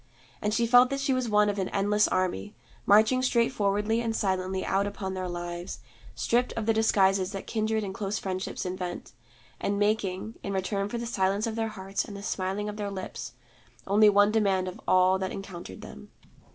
And she felt that she was one of an endless army, marching straightforwardly and silently out upon their lives, stripped of the disguises that kindred and close friendship invent, and making, in return for the silence of their hearts and the smiling of their lips, only one demand of all that encountered them.